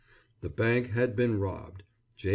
The bank had been robbed. J.